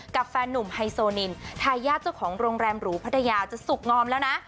แฟนนุ่มไฮโซนินทายาทเจ้าของโรงแรมหรูพัทยาจะสุขงอมแล้วนะ